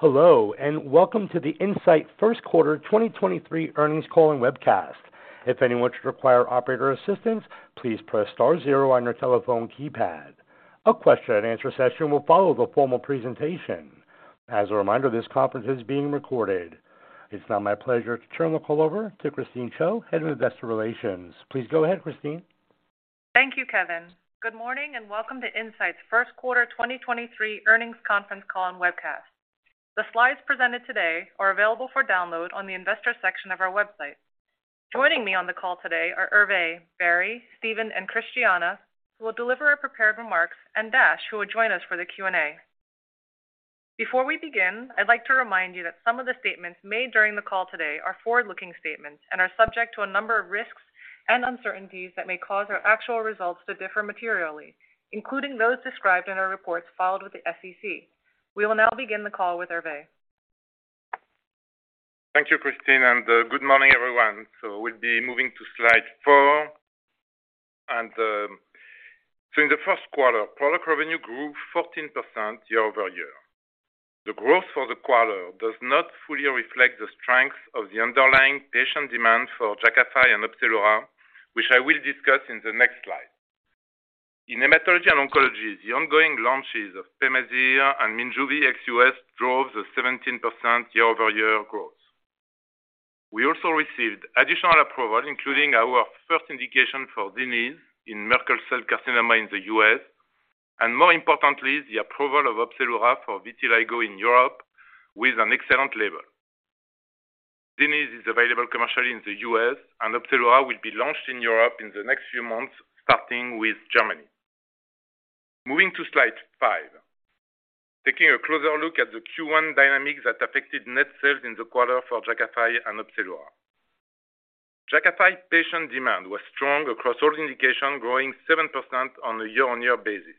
Hello, welcome to the Incyte Q1 2023 earnings call and webcast. If anyone should require operator assistance, please press star zero on your telephone keypad. A question-and-answer session will follow the formal presentation. As a reminder, this conference is being recorded. It's now my pleasure to turn the call over to Christine Chiou, Head of Investor Relations. Please go ahead, Christine. Thank you, Kevin. Good morning and welcome to Incyte's Q1 2023 earnings conference call and webcast. The slides presented today are available for download on the investor section of our website. Joining me on the call today are Hervé, Barry, Steven, and Christiana, who will deliver our prepared remarks, and Dash, who will join us for the Q&A. Before we begin, I'd like to remind you that some of the statements made during the call today are forward-looking statements and are subject to a number of risks and uncertainties that may cause our actual results to differ materially, including those described in our reports followed with the SEC. We will now begin the call with Hervé. Thank you, Christine, good morning, everyone. We'll be moving to slide four. In the Q1, product revenue grew 14% year-over-year. The growth for the quarter does not fully reflect the strength of the underlying patient demand for Jakafi and Opzelura, which I will discuss in the next slide. In hematology and oncology, the ongoing launches of Pemazyre and Minjuvi ex US drove the 17% year-over-year growth. We also received additional approval, including our first indication for Zynyz in Merkel cell carcinoma in the U.S. and more importantly, the approval of Opzelura for vitiligo in Europe with an excellent label. Zynyz is available commercially in the U.S., Opzelura will be launched in Europe in the next few months, starting with Germany. Moving to slide five. Taking a closer look at the Q1 dynamics that affected net sales in the quarter for Jakafi and Opzelura. Jakafi patient demand was strong across all indications, growing 7% on a year-on-year basis.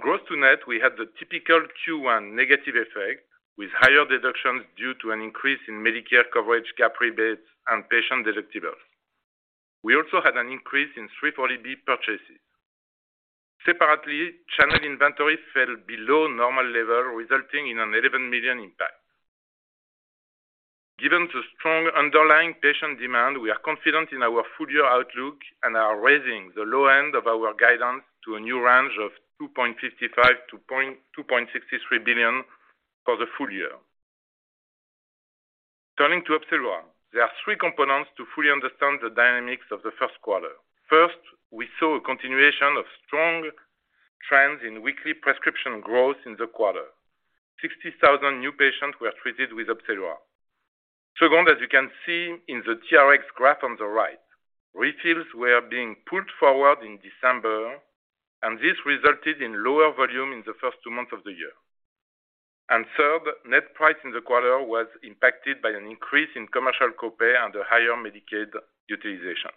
Gross to net, we had the typical Q1 negative effect, with higher deductions due to an increase in Medicare coverage, gap rebates, and patient deductibles. We also had an increase in 340B purchases. Separately, channel inventory fell below normal level, resulting in an $11 million impact. Given the strong underlying patient demand, we are confident in our full-year outlook and are raising the low end of our guidance to a new range of $2.55 billion-$2.63 billion for the full year. Turning to Opzelura. There are three components to fully understand the dynamics of the Q1. First, we saw a continuation of strong trends in weekly prescription growth in the quarter. 60,000 new patients were treated with Opzelura. Second, as you can see in the TRX graph on the right, refills were being pulled forward in December, and this resulted in lower volume in the first two months of the year. Third, net price in the quarter was impacted by an increase in commercial co-pay and a higher Medicaid utilization.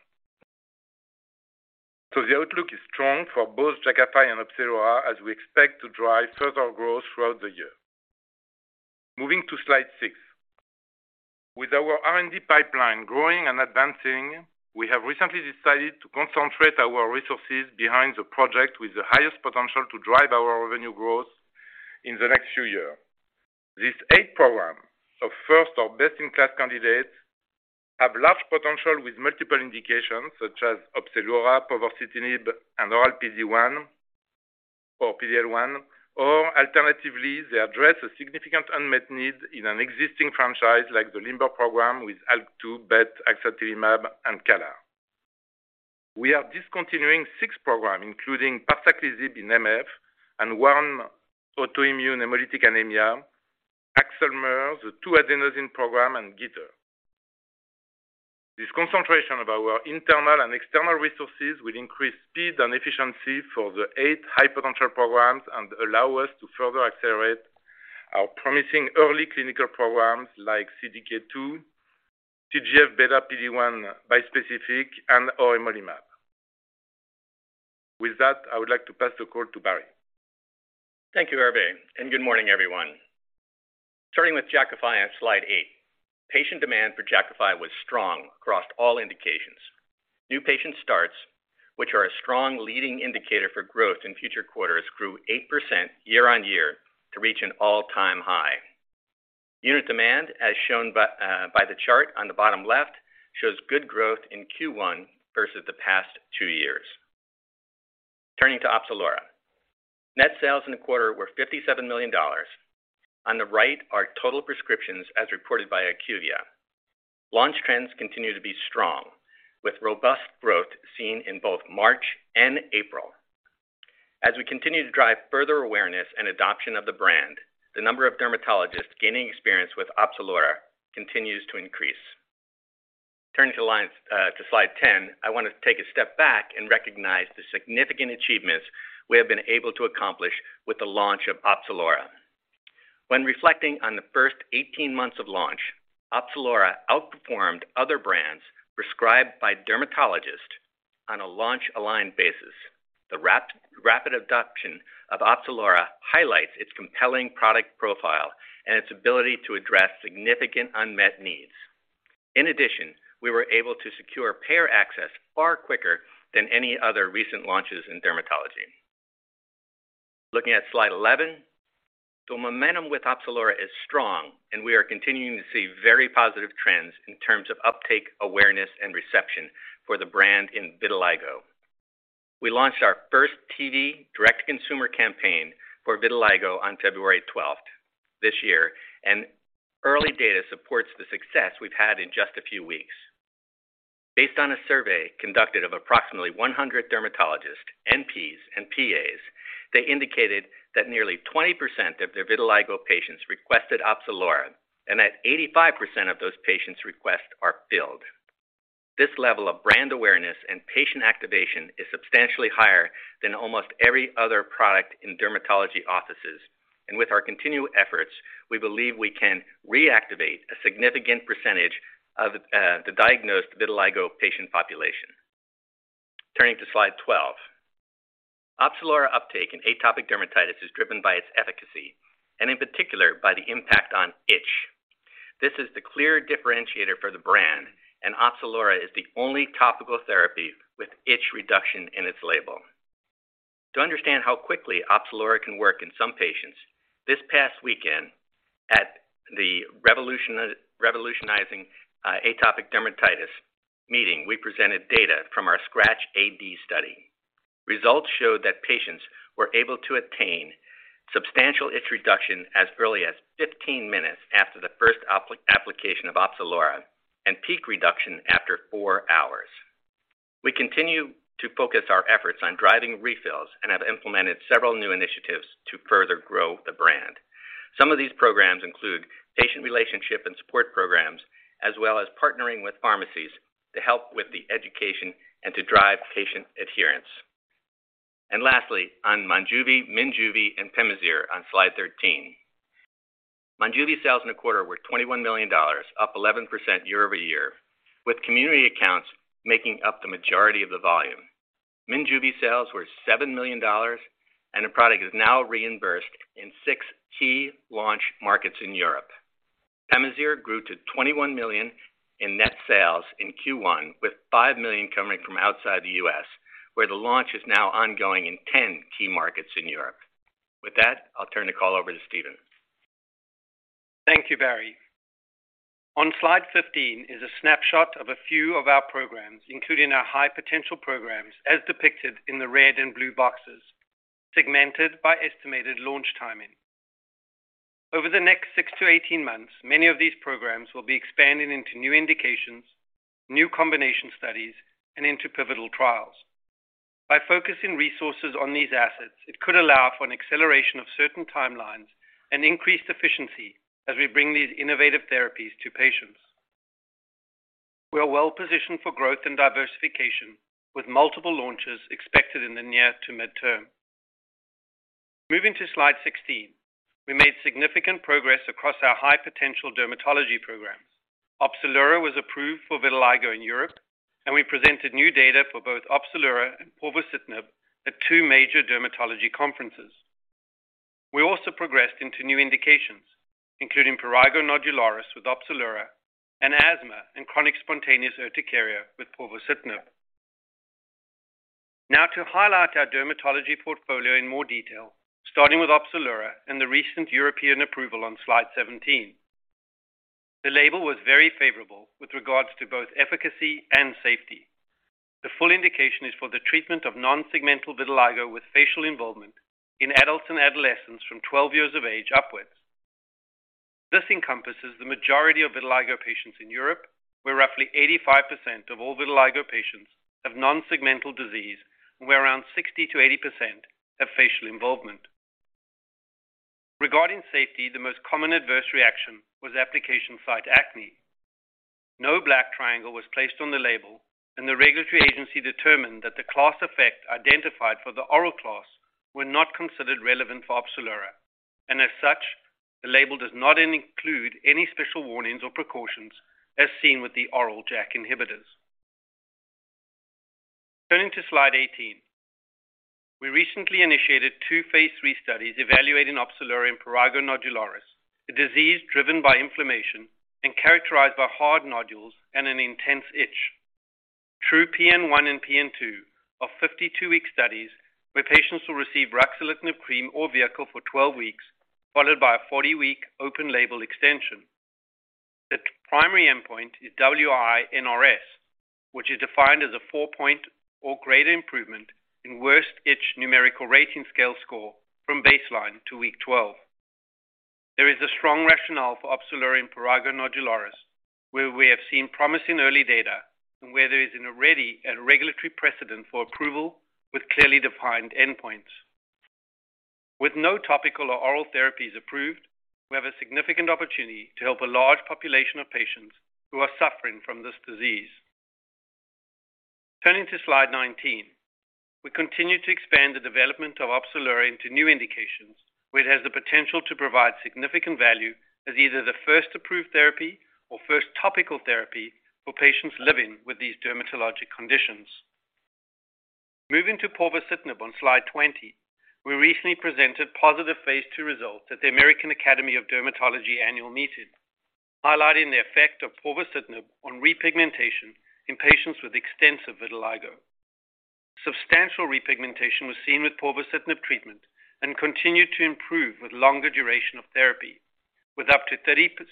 The outlook is strong for both Jakafi and Opzelura as we expect to drive further growth throughout the year. Moving to slide six. With our R&D pipeline growing and advancing, we have recently decided to concentrate our resources behind the project with the highest potential to drive our revenue growth in the next few year. These eight programs of first or best-in-class candidates have large potential with multiple indications such as Opzelura, povorcitinib, and oral PD-1 or PD-L1, or alternatively, they address a significant unmet need in an existing franchise like the LIMBER program with ALK2, BET, axitinib, and CALR. We are discontinuing six programs, including parsaclisib in MF and warm autoimmune hemolytic anemia, axcalmer, the two adenosine program, and GITR. This concentration of our internal and external resources will increase speed and efficiency for the eight high-potential programs and allow us to further accelerate our promising early clinical programs like CDK2, TGFβR2×PD-1 bispecific, and orimalimab. With that, I would like to pass the call to Barry. Thank you, Hervé. Good morning, everyone. Starting with Jakafi on slide eight. Patient demand for Jakafi was strong across all indications. New patient starts, which are a strong leading indicator for growth in future quarters, grew 8% year-on-year to reach an all-time high. Unit demand, as shown by the chart on the bottom left, shows good growth in Q1 versus the past two years. Turning to Opzelura. Net sales in the quarter were $57 million. On the right are total prescriptions as reported by IQVIA. Launch trends continue to be strong, with robust growth seen in both March and April. As we continue to drive further awareness and adoption of the brand, the number of dermatologists gaining experience with Opzelura continues to increase. Turning to slide 10, I want to take a step back and recognize the significant achievements we have been able to accomplish with the launch of Opzelura. When reflecting on the first 18 months of launch, Opzelura outperformed other brands prescribed by dermatologists on a launch align basis. The rapid adoption of Opzelura highlights its compelling product profile and its ability to address significant unmet needs. In addition, we were able to secure payer access far quicker than any other recent launches in dermatology. Looking at slide 11. Momentum with Opzelura is strong, and we are continuing to see very positive trends in terms of uptake, awareness, and reception for the brand in vitiligo. We launched our first PV direct consumer campaign for vitiligo on February 12th this year, and early data supports the success we've had in just a few weeks. Based on a survey conducted of approximately 100 dermatologists, NPs, and PAs, they indicated that nearly 20% of their vitiligo patients requested Opzelura and that 85% of those patients' requests are filled. This level of brand awareness and patient activation is substantially higher than almost every other product in dermatology offices. With our continued efforts, we believe we can reactivate a significant percentage of the diagnosed vitiligo patient population. Turning to slide 12. Opzelura uptake in atopic dermatitis is driven by its efficacy, and in particular by the impact on itch. This is the clear differentiator for the brand, and Opzelura is the only topical therapy with itch reduction in its label. To understand how quickly Opzelura can work in some patients, this past weekend at the Revolutionizing Atopic Dermatitis meeting, we presented data from our SCRATCH-AD study. Results showed that patients were able to attain substantial itch reduction as early as 15 minutes after the first application of Opzelura and peak reduction after four hours. We continue to focus our efforts on driving refills and have implemented several new initiatives to further grow the brand. Some of these programs include patient relationship and support programs, as well as partnering with pharmacies to help with the education and to drive patient adherence. Lastly, on Monjuvi, Minjuvi, and Pemazyre on slide 13. Monjuvi sales in the quarter were $21 million, up 11% year-over-year, with community accounts making up the majority of the volume. Minjuvi sales were $7 million, and the product is now reimbursed in six key launch markets in Europe. Pemazyre grew to $21 million in net sales in Q1, with $5 million coming from outside the U.S., where the launch is now ongoing in 10 key markets in Europe. With that, I'll turn the call over to Steven. Thank you, Barry. On slide 15 is a snapshot of a few of our programs, including our high-potential programs, as depicted in the red and blue boxes, segmented by estimated launch timing. Over the next six to 18 months, many of these programs will be expanding into new indications, new combination studies, and into pivotal trials. By focusing resources on these assets, it could allow for an acceleration of certain timelines and increased efficiency as we bring these innovative therapies to patients. We are well-positioned for growth and diversification, with multiple launches expected in the near to midterm. Moving to slide 16. We made significant progress across our high-potential dermatology programs. Opzelura was approved for vitiligo in Europe, and we presented new data for both Opzelura and povorcitinib at two major dermatology conferences. We also progressed into new indications, including prurigo nodularis with Opzelura and asthma and chronic spontaneous urticaria with povorcitinib. To highlight our dermatology portfolio in more detail, starting with Opzelura and the recent European approval on slide 17. The label was very favorable with regards to both efficacy and safety. The full indication is for the treatment of non-segmental vitiligo with facial involvement in adults and adolescents from 12 years of age upwards. This encompasses the majority of vitiligo patients in Europe, where roughly 85% of all vitiligo patients have non-segmental disease and where around 60%-80% have facial involvement. Regarding safety, the most common adverse reaction was application site acne. No black triangle was placed on the label, and the regulatory agency determined that the class effect identified for the oral class were not considered relevant for Opzelura. As such, the label does not include any special warnings or precautions as seen with the oral JAK inhibitors. Turning to slide 18. We recently initiated two phase III studies evaluating Opzelura in prurigo nodularis, a disease driven by inflammation and characterized by hard nodules and an intense itch. TRuE-PN1 and TRuE-PN2 are 52-week studies where patients will receive ruxolitinib cream or vehicle for 12 weeks, followed by a 40-week open label extension. The primary endpoint is WI-NRS, which is defined as a 4-point or greater improvement in worst itch numeric rating scale score from baseline to week 12. There is a strong rationale for Opzelura in prurigo nodularis, where we have seen promising early data and where there is already a regulatory precedent for approval with clearly defined endpoints. With no topical or oral therapies approved, we have a significant opportunity to help a large population of patients who are suffering from this disease. Turning to slide 19. We continue to expand the development of Opzelura into new indications, where it has the potential to provide significant value as either the first approved therapy or first topical therapy for patients living with these dermatologic conditions. Moving to povorcitinib on slide 20, we recently presented positive phase II results at the American Academy of Dermatology annual meeting, highlighting the effect of povorcitinib on repigmentation in patients with extensive vitiligo. Substantial repigmentation was seen with povorcitinib treatment and continued to improve with longer duration of therapy, with up to 36%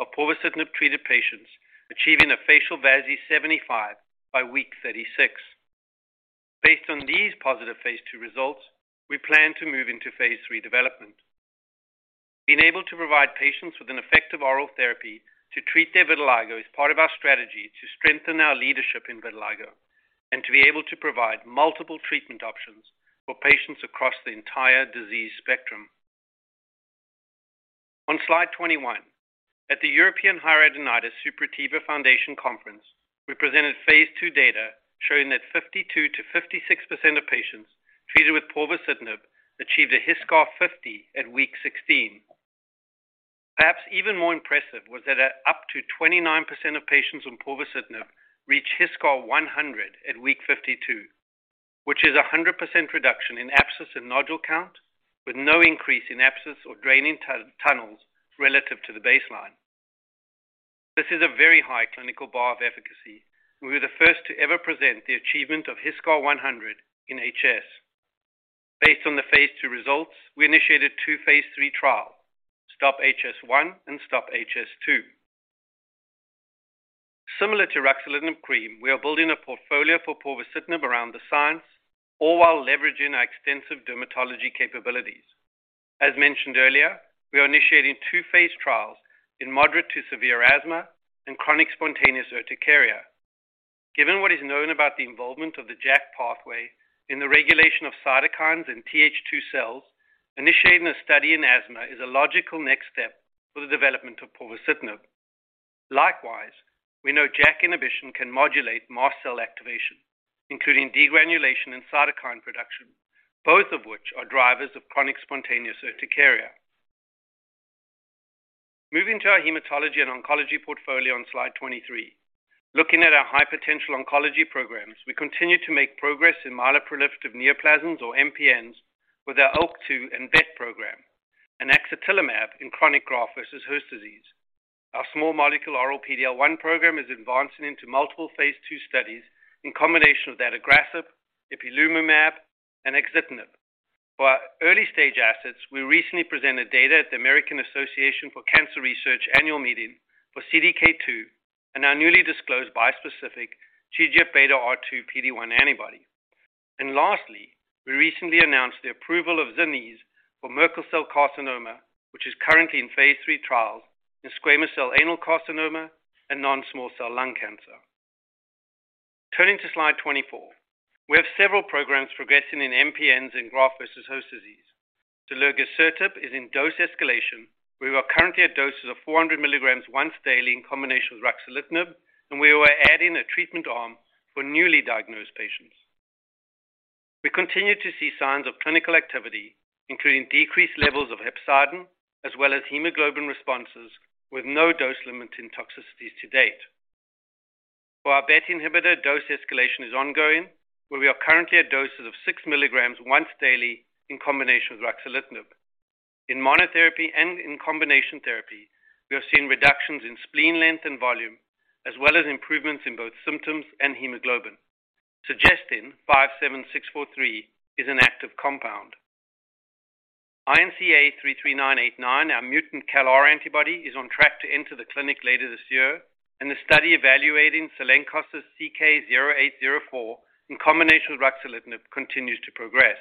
of povorcitinib-treated patients achieving a facial VASI 75 by week 36. Based on these positive phase II results, we plan to move into phase III development. Being able to provide patients with an effective oral therapy to treat their vitiligo is part of our strategy to strengthen our leadership in vitiligo and to be able to provide multiple treatment options for patients across the entire disease spectrum. On slide 21, at the European Hidradenitis Suppurativa Foundation Conference, we presented phase II data showing that 52%-56% of patients treated with povorcitinib achieved a HiSCR50 at week 16. Perhaps even more impressive was that at up to 29% of patients on povorcitinib reached HiSCR100 at week 52, which is a 100% reduction in abscess and nodule count with no increase in abscess or draining tunnels relative to the baseline. This is a very high clinical bar of efficacy, and we were the first to ever present the achievement of HiSCR100 in HS. Based on the phase II results, we initiated two phase III trials, STOP-HS1 and STOP-HS2. Similar to ruxolitinib cream, we are building a portfolio for povorcitinib around the science, all while leveraging our extensive dermatology capabilities. As mentioned earlier, we are initiating two phase trials in moderate to severe asthma and chronic spontaneous urticaria. Given what is known about the involvement of the JAK pathway in the regulation of cytokines and Th2 cells, initiating a study in asthma is a logical next step for the development of povorcitinib. Likewise, we know JAK inhibition can modulate mast cell activation, including degranulation and cytokine production, both of which are drivers of chronic spontaneous urticaria. Moving to our hematology and oncology portfolio on slide 23. Looking at our high potential oncology programs, we continue to make progress in myeloproliferative neoplasms, or MPNs, with our ALK2 and BET program and axatilimab in chronic graft-versus-host disease. Our small molecule oral PD-L1 program is advancing into multiple phase II studies in combination with adagrasib, ipilimumab, and axitinib. For our early-stage assets, we recently presented data at the American Association for Cancer Research annual meeting for CDK2 and our newly disclosed bispecific TGFβR2×PD-1 antibody. Lastly, we recently announced the approval of Zynyz for Merkel cell carcinoma, which is currently in phase III trials in squamous cell anal carcinoma and non-small cell lung cancer. Turning to slide 24. We have several programs progressing in MPNs and graft-versus-host disease. Delgocitinib is in dose escalation. We are currently at doses of 400 milligrams once daily in combination with ruxolitinib, and we were adding a treatment arm for newly diagnosed patients. We continue to see signs of clinical activity, including decreased levels of hepcidin as well as hemoglobin responses, with no dose limiting toxicities to date. For our BET inhibitor, dose escalation is ongoing, where we are currently at doses of six milligrams once daily in combination with ruxolitinib. In monotherapy and in combination therapy, we have seen reductions in spleen length and volume, as well as improvements in both symptoms and hemoglobin, suggesting INCB57643 is an active compound. INCA033989, our mutant CALR antibody, is on track to enter the clinic later this year, and the study evaluating Cellenkos's CK0804 in combination with ruxolitinib continues to progress.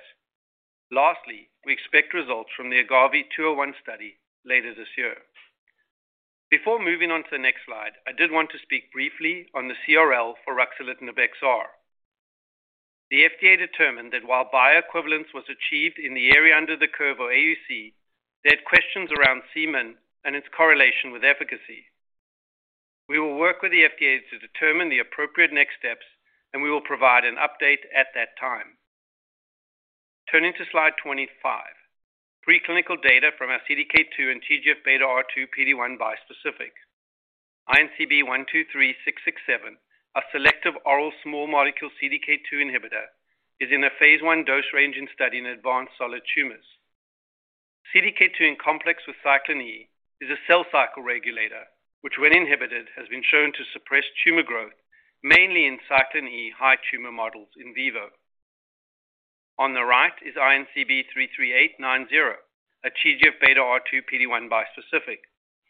Lastly, we expect results from the AGAVE-201 study later this year. Before moving on to the next slide, I did want to speak briefly on the CRL for ruxolitinib XR. The FDA determined that while bioequivalence was achieved in the area under the curve, or AUC, they had questions around Cmin and its correlation with efficacy. We will work with the FDA to determine the appropriate next steps, and we will provide an update at that time. Turning to slide 25. Preclinical data from our CDK2 and TGFβR2×PD-1 bispecific. INCB123667, our selective oral small molecule CDK2 inhibitor, is in a phase I dose ranging study in advanced solid tumors. CDK2 in complex with cyclin E is a cell cycle regulator, which when inhibited, has been shown to suppress tumor growth, mainly in cyclin E high tumor models in vivo. On the right is INCB33890, a TGFβR2×PD-1 bispecific,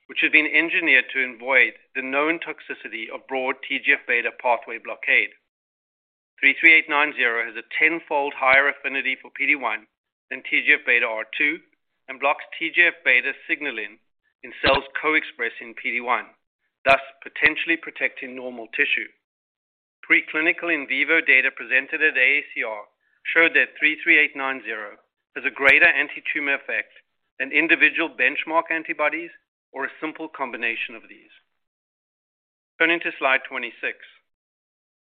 which has been engineered to avoid the known toxicity of broad TGFβ pathway blockade. 33890 has a 10-fold higher affinity for PD-1 than TGFβR2 and blocks TGFβ signaling in cells co-expressing PD-1, thus potentially protecting normal tissue. Preclinical in vivo data presented at ACR showed that 33890 has a greater antitumor effect than individual benchmark antibodies or a simple combination of these. Turning to slide 26.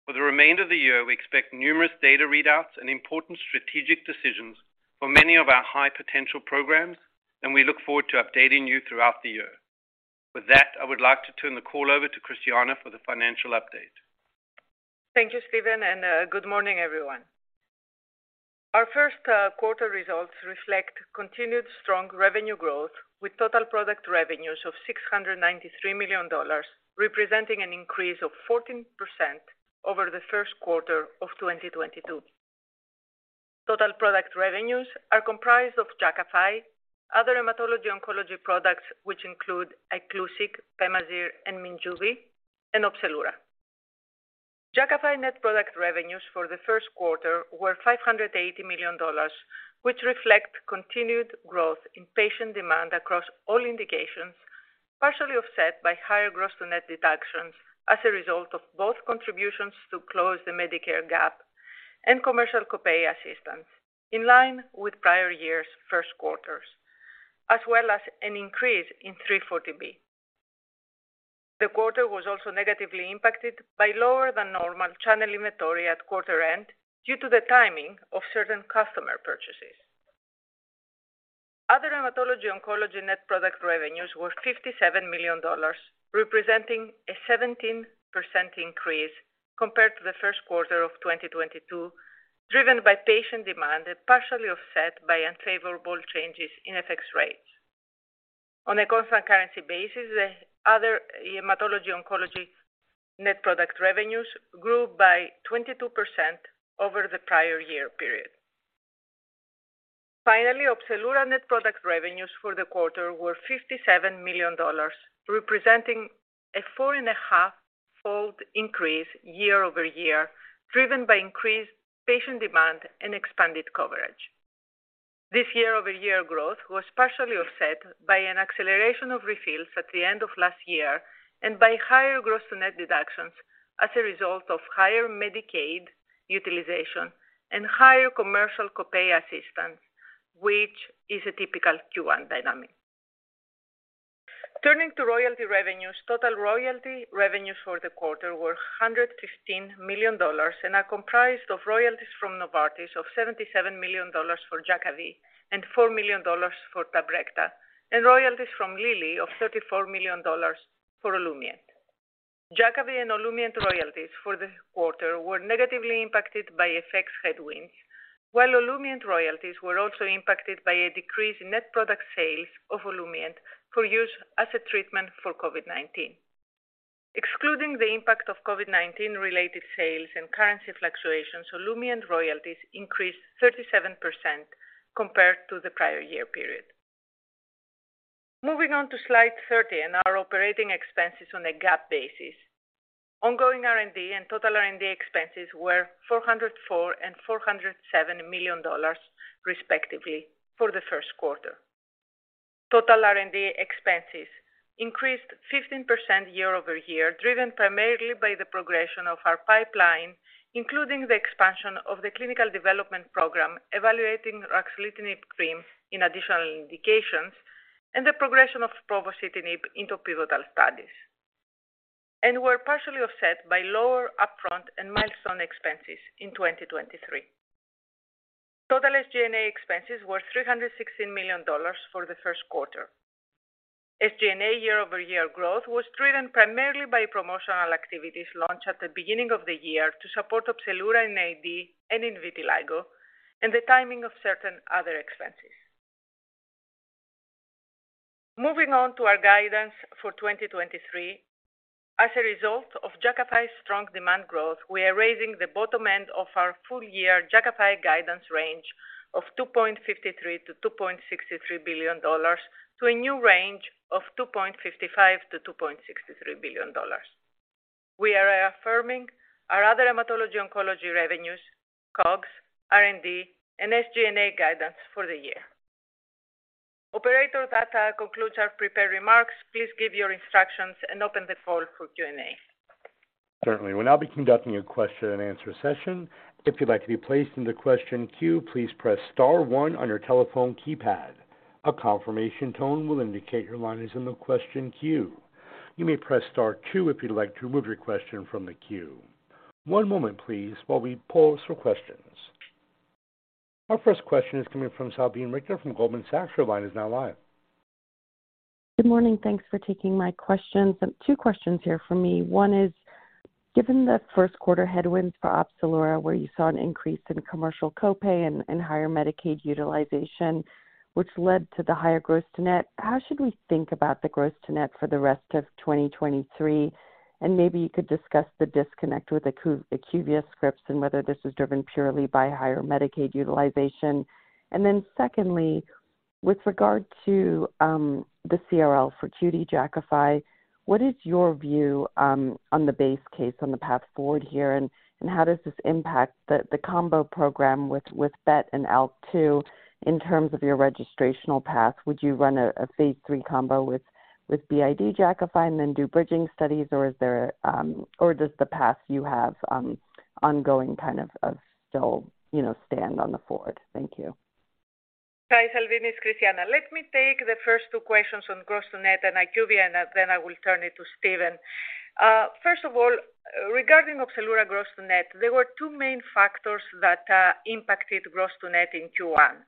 For the remainder of the year, we expect numerous data readouts and important strategic decisions for many of our high-potential programs, and we look forward to updating you throughout the year. With that, I would like to turn the call over to Christiana for the financial update. Thank you, Steven. Good morning, everyone. Our Q1 results reflect continued strong revenue growth with total product revenues of $693 million, representing an increase of 14% over the Q1 of 2022. Total product revenues are comprised of Jakafi, other hematology oncology products, which include Iclusig, Pemazyre and Minjuvi, and Opzelura. Jakafi net product revenues for the Q1 were $580 million, which reflect continued growth in patient demand across all indications, partially offset by higher gross to net deductions as a result of both contributions to close the Medicare gap and commercial copay assistance, in line with prior years' Q1s, as well as an increase in 340B. The quarter was also negatively impacted by lower than normal channel inventory at quarter end, due to the timing of certain customer purchases. Other hematology oncology net product revenues were $57 million, representing a 17% increase compared to the Q1 of 2022, driven by patient demand and partially offset by unfavorable changes in FX rates. On a constant currency basis, the other hematology oncology net product revenues grew by 22% over the prior year period. Finally, Opzelura net product revenues for the quarter were $57 million, representing a four 1/2 fold increase year-over-year, driven by increased patient demand and expanded coverage. This year-over-year growth was partially offset by an acceleration of refills at the end of last year and by higher gross to net deductions as a result of higher Medicaid utilization and higher commercial copay assistance, which is a typical Q1 dynamic. Turning to royalty revenues. Total royalty revenues for the quarter were $115 million and are comprised of royalties from Novartis of $77 million for Jakavi and $4 million for Tabrecta, and royalties from Lilly of $34 million for Olumiant. Jakavi and Olumiant royalties for the quarter were negatively impacted by FX headwinds, while Olumiant royalties were also impacted by a decrease in net product sales of Olumiant for use as a treatment for COVID-19. Excluding the impact of COVID-19 related sales and currency fluctuations, Olumiant royalties increased 37% compared to the prior year period. Moving on to slide 30 and our operating expenses on a GAAP basis. Ongoing R&D and total R&D expenses were $404 million and $407 million, respectively, for the Q1. Total R&D expenses increased 15% year-over-year, driven primarily by the progression of our pipeline, including the expansion of the clinical development program evaluating ruxolitinib cream in additional indications and the progression of povorcitinib into pivotal studies, and were partially offset by lower upfront and milestone expenses in 2023. Total SG&A expenses were $316 million for the Q1. SG&A year-over-year growth was driven primarily by promotional activities launched at the beginning of the year to support Opzelura in AD and in vitiligo and the timing of certain other expenses. Moving on to our guidance for 2023. As a result of Jakafi's strong demand growth, we are raising the bottom end of our full year Jakafi guidance range of $2.53 billion-$2.63 billion to a new range of $2.55 billion-$2.63 billion. We are affirming our other hematology oncology revenues, COGS, R&D, and SG&A guidance for the year. Operator, that concludes our prepared remarks. Please give your instructions and open the call for Q&A. Certainly. We'll now be conducting a question-and-answer session. If you'd like to be placed in the question queue, please press star one on your telephone keypad. A confirmation tone will indicate your line is in the question queue. You may press star two if you'd like to remove your question from the queue. One moment, please, while we pause for questions. Our first question is coming from Salveen Richter from Goldman Sachs. Your line is now live. Good morning. Thanks for taking my questions. Two questions here from me. One is, given the Q1 headwinds for Opzelura, where you saw an increase in commercial copay and higher Medicaid utilization, which led to the higher gross to net, how should we think about the gross to net for the rest of 2023? Maybe you could discuss the disconnect with the IQVIA scripts and whether this is driven purely by higher Medicaid utilization. Secondly, with regard to the CRL for QD Jakafi, what is your view on the base case on the path forward here? How does this impact the combo program with BET and ALK2 in terms of your registrational path? Would you run a phase III combo with BID Jakafi and then do bridging studies, or is there, or does the path you have ongoing kind of still, you know, stand on the forward? Thank you. Hi, Salvin. It's Christiana. Let me take the first two questions on gross to net and IQVIA, then I will turn it to Steven. First of all, regarding Opzelura gross to net, there were two main factors that impacted gross to net in Q1.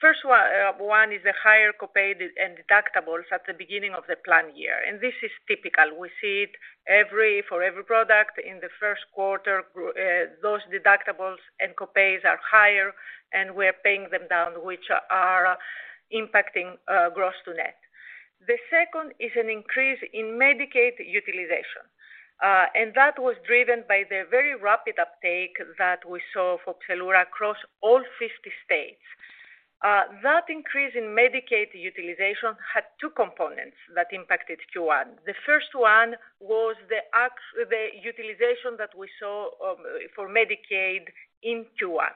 First one is the higher co-pay and deductibles at the beginning of the plan year. This is typical. We see it every, for every product in the Q1. Those deductibles and co-pays are higher, and we're paying them down, which are impacting gross to net. The second is an increase in Medicaid utilization. That was driven by the very rapid uptake that we saw for Opzelura across all 50 states. That increase in Medicaid utilization had two components that impacted Q1. The first one was the utilization that we saw for Medicaid in Q1.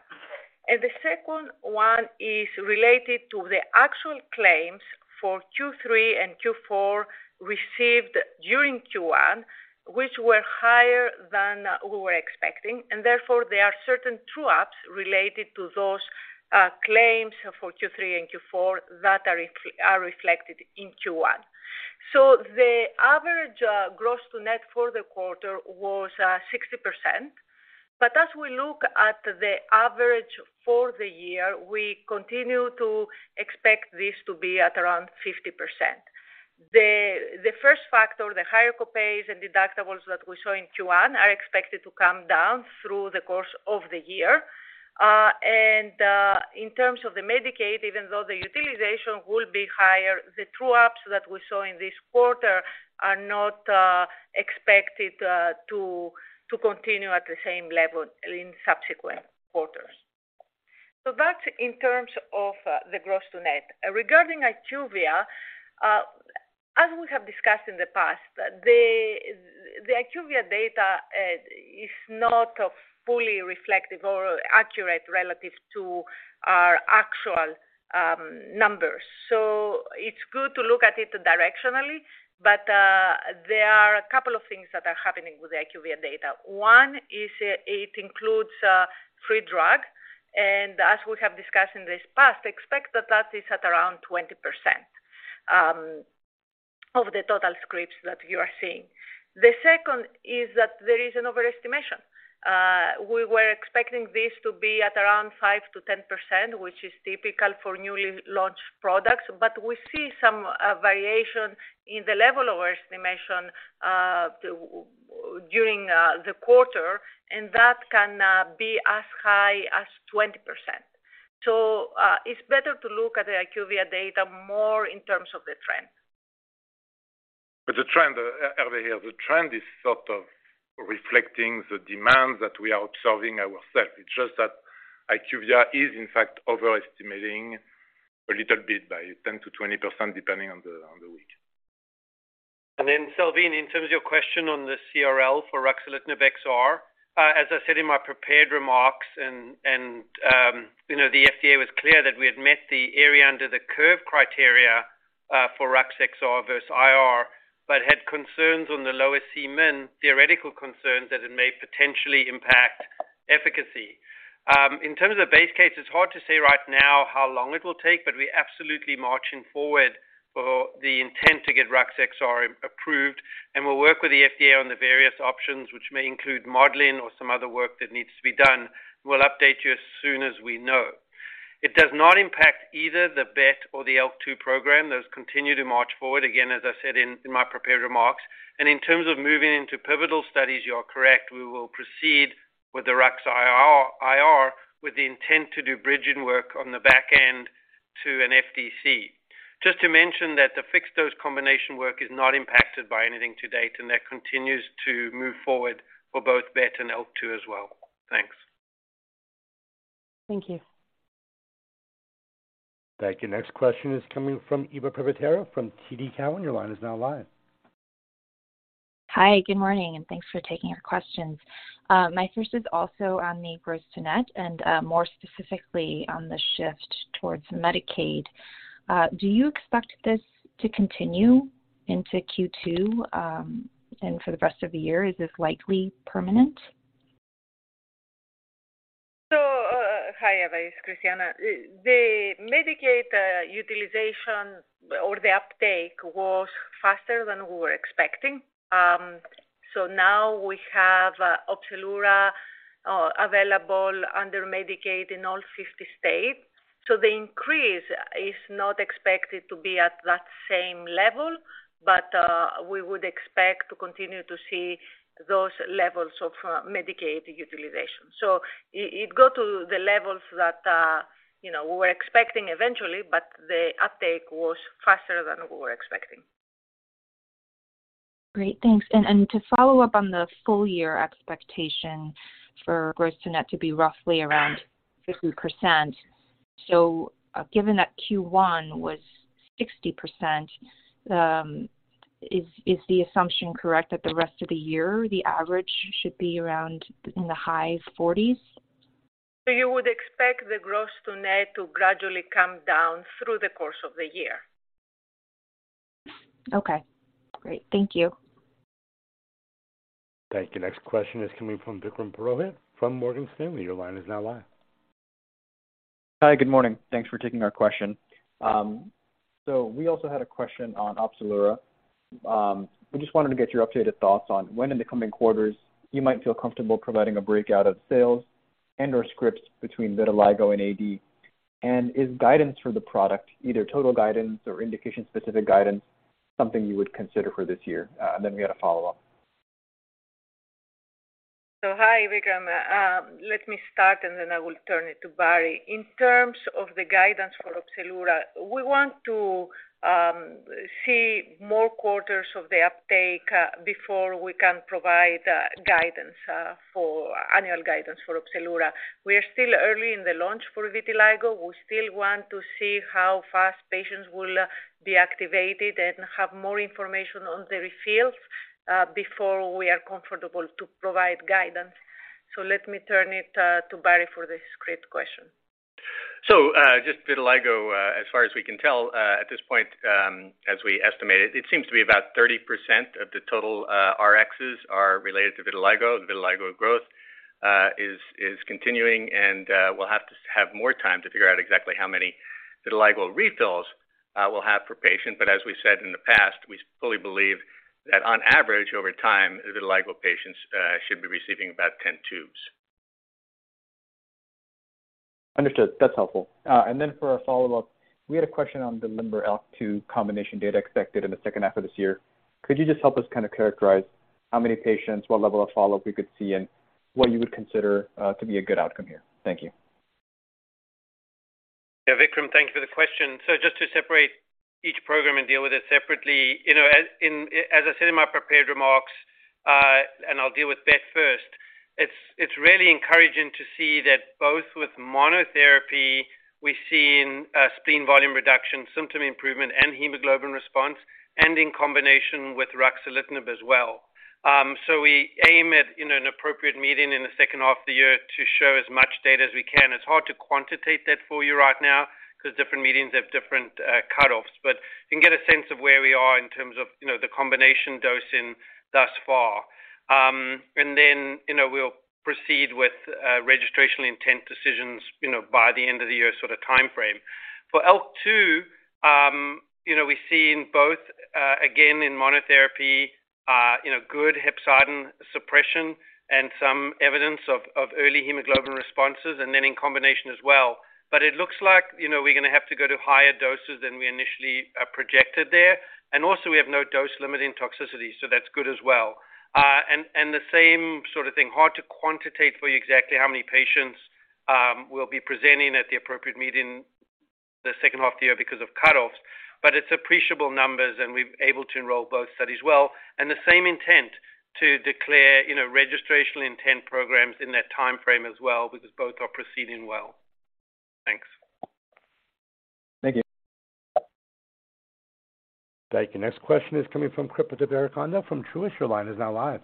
The second one is related to the actual claims for Q3 and Q4 received during Q1, which were higher than we were expecting, and therefore, there are certain true-ups related to those claims for Q3 and Q4 that are reflected in Q1. The average gross to net for the quarter was 60%. As we look at the average for the year, we continue to expect this to be at around 50%. The first factor, the higher co-pays and deductibles that we saw in Q1 are expected to come down through the course of the year. In terms of the Medicaid, even though the utilization will be higher, the true-ups that we saw in this quarter are not expected to continue at the same level in subsequent quarters. That's in terms of the gross to net. Regarding IQVIA, as we have discussed in the past, the IQVIA data is not fully reflective or accurate relative to our actual numbers. It's good to look at it directionally, but there are a couple of things that are happening with the IQVIA data. One is it includes free drug, and as we have discussed in this past, expect that that is at around 20% of the total scripts that you are seeing. The second is that there is an overestimation. We were expecting this to be at around 5%-10%, which is typical for newly launched products, but we see some variation in the level of overestimation during the quarter, and that can be as high as 20%. It's better to look at the IQVIA data more in terms of the trend. The trend, earlier, the trend is sort of reflecting the demand that we are observing ourselves. It's just that IQVIA is in fact overestimating a little bit by 10%-20%, depending on the, on the week. Salvin, in terms of your question on the CRL for ruxolitinib XR, as I said in my prepared remarks and, you know, the FDA was clear that we had met the area under the curve criteria for ruxolitinib XR versus IR, but had concerns on the lower Cmin, theoretical concerns that it may potentially impact efficacy. In terms of base case, it's hard to say right now how long it will take, but we're absolutely marching forward for the intent to get ruxolitinib XR approved, and we'll work with the FDA on the various options which may include modeling or some other work that needs to be done. We'll update you as soon as we know. It does not impact either the BET or the IL-2 program. Those continue to march forward, again, as I said in my prepared remarks. In terms of moving into pivotal studies, you are correct, we will proceed with the ruxolitinib IR with the intent to do bridging work on the back end to an FDC. Just to mention that the fixed-dose combination work is not impacted by anything to date, that continues to move forward for both BET and IL-2 as well. Thanks. Thank you. Thank you. Next question is coming from Eva Privitera from TD Cowen. Your line is now live. Hi, good morning, and thanks for taking our questions. My first is also on the gross to net and more specifically on the shift towards Medicaid. Do you expect this to continue into Q2 and for the rest of the year? Is this likely permanent? Hi Eva, it's Christiana. The Medicaid utilization or the uptake was faster than we were expecting. Now we have Opzelura available under Medicaid in all 50 states. The increase is not expected to be at that same level, but we would expect to continue to see those levels of Medicaid utilization. It go to the levels that, you know, we were expecting eventually, but the uptake was faster than we were expecting. Great. Thanks. To follow up on the full year expectation for gross to net to be roughly around 50%. Given that Q1 was 60%, is the assumption correct that the rest of the year, the average should be around in the high 40s? You would expect the gross to net to gradually come down through the course of the year. Okay, great. Thank you. Thank you. Next question is coming from Vikram Purohit from Morgan Stanley. Your line is now live. Hi, good morning. Thanks for taking our question. We also had a question on Opzelura. We just wanted to get your updated thoughts on when in the coming quarters you might feel comfortable providing a breakout of sales and/or scripts between vitiligo and AD. Is guidance for the product, either total guidance or indication-specific guidance, something you would consider for this year? We had a follow-up. Hi, Vikram. Let me start, I will turn it to Barry. In terms of the guidance for Opzelura, we want to see more quarters of the uptake before we can provide guidance for annual guidance for Opzelura. We are still early in the launch for vitiligo. We still want to see how fast patients will be activated and have more information on the refills before we are comfortable to provide guidance. Let me turn it to Barry for the script question. Just vitiligo, as far as we can tell, at this point, as we estimated, it seems to be about 30% of the total RXs are related to vitiligo. The vitiligo growth is continuing and we'll have to have more time to figure out exactly how many vitiligo refills we'll have per patient. As we said in the past, we fully believe that on average over time, vitiligo patients should be receiving about 10 tubes. Understood. That's helpful. For a follow-up, we had a question on the LIMBER ALK2 combination data expected in the H2 of this year. Could you just help us kind of characterize how many patients, what level of follow-up we could see, and what you would consider to be a good outcome here? Thank you. Yeah, Vikram, thank you for the question. Just to separate each program and deal with it separately. You know, as I said in my prepared remarks, I'll deal with that first. It's really encouraging to see that both with monotherapy, we're seeing spleen volume reduction, symptom improvement, and hemoglobin response, and in combination with ruxolitinib as well. We aim at, you know, an appropriate meeting in the H2 of the year to show as much data as we can. It's hard to quantitate that for you right now because different meetings have different cutoffs. You can get a sense of where we are in terms of, you know, the combination dosing thus far. We'll proceed with registrational intent decisions, you know, by the end of the year sort of timeframe. For ALK2, you know, we're seeing both, again, in monotherapy, you know, good hepcidin suppression and some evidence of early hemoglobin responses and then in combination as well. It looks like, you know, we're gonna have to go to higher doses than we initially projected there. We have no dose limiting toxicity, that's good as well. The same sort of thing, hard to quantitate for you exactly how many patients we'll be presenting at the appropriate meeting the H2 of the year because of cutoffs, it's appreciable numbers, and we're able to enroll both studies well. The same intent to declare, you know, registrational intent programs in that timeframe as well, because both are proceeding well. Thanks. Thank you. Thank you. Next question is coming from Kripa Devarakonda from Truist. Your line is now live.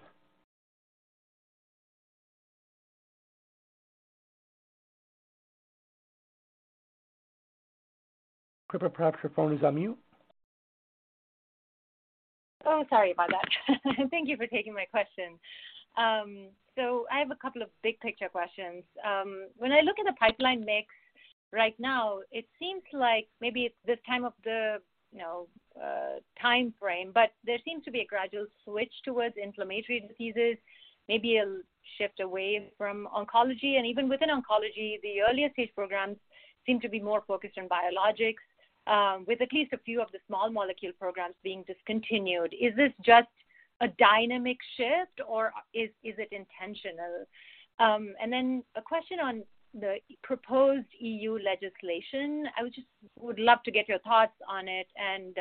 Kripa, perhaps your phone is on mute. Sorry about that. Thank you for taking my question. I have a couple of big picture questions. When I look at the pipeline mix right now, it seems like maybe it's this time of the, you know, time frame, but there seems to be a gradual switch towards inflammatory diseases, maybe a shift away from oncology. Even within oncology, the earliest stage programs seem to be more focused on biologics, with at least a few of the small molecule programs being discontinued. Is this just a dynamic shift or is it intentional? A question on the proposed EU legislation. I would love to get your thoughts on it and,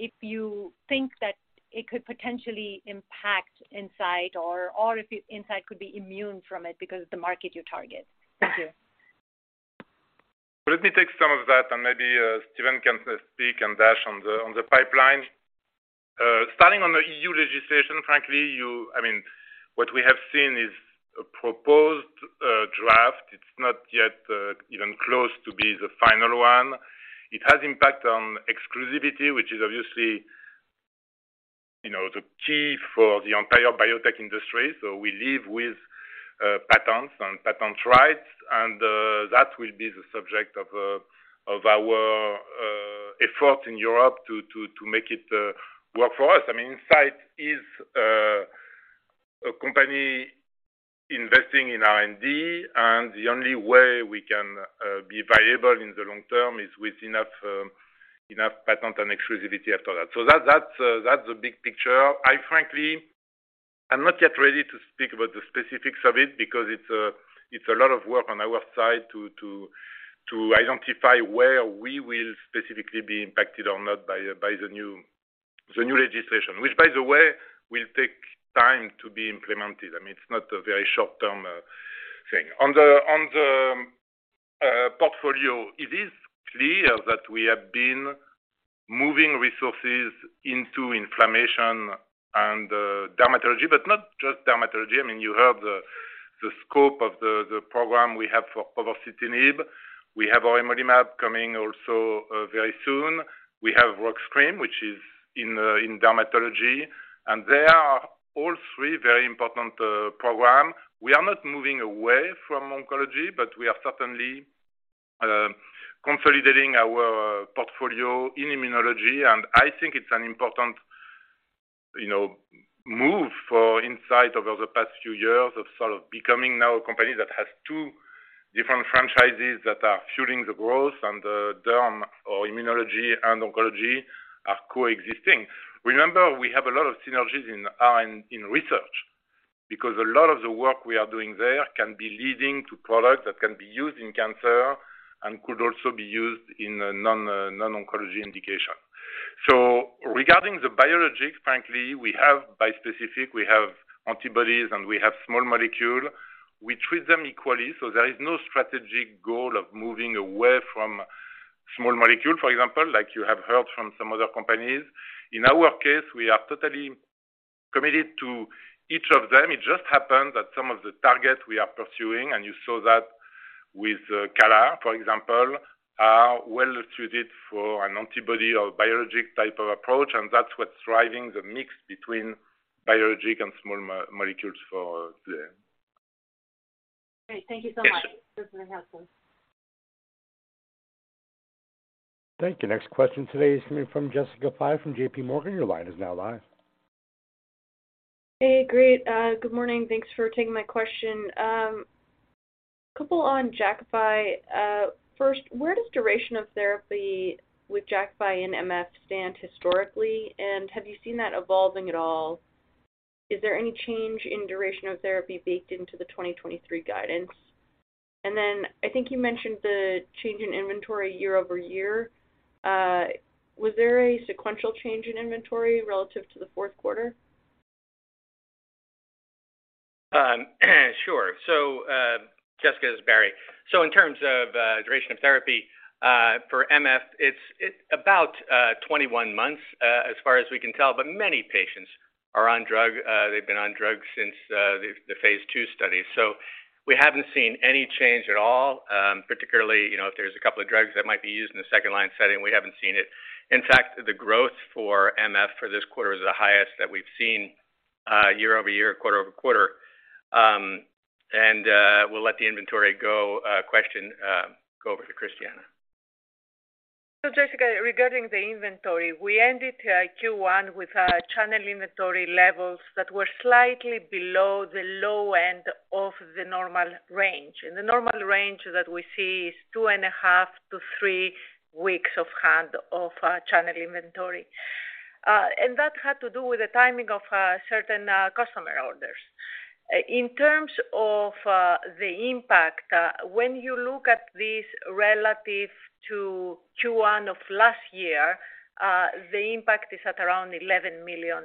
if you think that it could potentially impact Incyte or if Incyte could be immune from it because of the market you target. Thank you. Let me take some of that, and maybe, Steven can speak and Dash on the pipeline. Starting on the EU legislation, frankly, I mean, what we have seen is a proposed draft. It's not yet even close to be the final one. It has impact on exclusivity, which is obviously, you know, the key for the entire biotech industry. We live with patents and patent rights, and that will be the subject of our effort in Europe to make it work for us. I mean, Incyte is a company investing in R&D, and the only way we can be viable in the long term is with enough patent and exclusivity after that. That's the big picture. I frankly am not yet ready to speak about the specifics of it because it's a lot of work on our side to identify where we will specifically be impacted or not by the new legislation, which by the way, will take time to be implemented. I mean, it's not a very short-term thing. On the portfolio, it is clear that we have been moving resources into inflammation and dermatology, but not just dermatology. I mean, you heard the scope of the program we have for povorcitinib. We have remolimab coming also very soon. We have rux cream, which is in dermatology, and they are all three very important program. We are not moving away from oncology, but we are certainly consolidating our portfolio in immunology, and I think it's an important. You know, move for Incyte over the past few years of sort of becoming now a company that has two different franchises that are fueling the growth and the derm or immunology and oncology are coexisting. Remember, we have a lot of synergies in R and in research because a lot of the work we are doing there can be leading to products that can be used in cancer and could also be used in a non-oncology indication. Regarding the biologics, frankly, we have bispecific, we have antibodies, and we have small molecule. We treat them equally. There is no strategic goal of moving away from small molecule, for example, like you have heard from some other companies. In our case, we are totally committed to each of them. It just happened that some of the targets we are pursuing, and you saw that with, Kala, for example, are well suited for an antibody or biologic type of approach, and that's what's driving the mix between biologic and small molecules for today. Great. Thank you so much. Yes. Thank you. Next question today is coming from Jessica Fye from JPMorgan. Your line is now live. Hey. Great. Good morning. Thanks for taking my question. A couple on Jakafi. First, where does duration of therapy with Jakafi and MF stand historically, and have you seen that evolving at all? Is there any change in duration of therapy baked into the 2023 guidance? I think you mentioned the change in inventory year-over-year. Was there a sequential change in inventory relative to the Q4? Sure. Jessica, it's Barry. In terms of duration of therapy for MF, it's about 21 months, as far as we can tell, but many patients are on drug. They've been on drugs since the phase II study. We haven't seen any change at all, particularly, you know, if there's a couple of drugs that might be used in the second line setting, we haven't seen it. The growth for MF for this quarter is the highest that we've seen year-over-year, quarter-over-quarter. And we'll let the inventory go question go over to Christiana. Jessica, regarding the inventory, we ended Q1 with our channel inventory levels that were slightly below the low end of the normal range. The normal range that we see is two 1/2 to three weeks of hand of channel inventory. That had to do with the timing of certain customer orders. In terms of the impact when you look at this relative to Q1 of last year, the impact is at around $11 million.